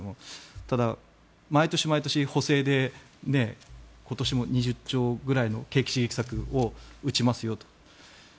ただ、毎年毎年、補正で今年も２０兆ぐらいの景気刺激策を打ちますよと。